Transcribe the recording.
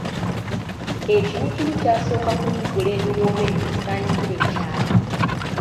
Ekiwuugulu kyasooka kuwuugula, ebiwoobe ne bisaanikira ekyalo.